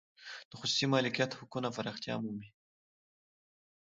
د خصوصي مالکیت حقونه پراختیا ومومي.